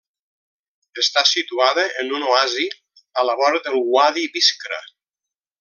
Està situada en un oasi a la vora del uadi Biskra.